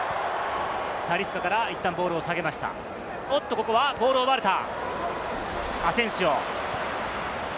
ここはボールを奪われた。